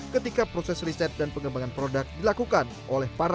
ketika proses riset dan pengembangan produk dilakukan oleh para